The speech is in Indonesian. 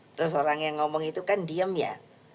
terus orang yang ngomong itu kan diem ya